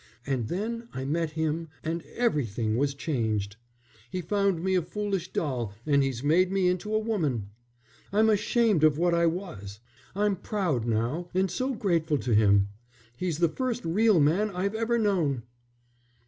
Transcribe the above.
And then I met him and everything was changed. He found me a foolish doll, and he's made me into a woman. I'm ashamed of what I was. I'm proud now, and so grateful to him. He's the first real man I've ever known."